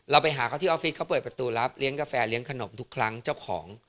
ไปหาเขาที่ออฟฟิศเขาเปิดประตูรับเลี้ยงกาแฟเลี้ยงขนมทุกครั้งเจ้าของ